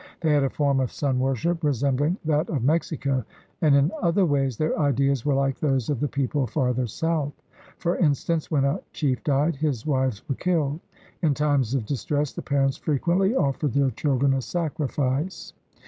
They had a form of sun worship resembling that of Mexico, and in other ways their ideas were like those of the people farther south. For instance, when a chief died, his wives were killed. In times of dis tress the parents frequently offered their children as sacrifice.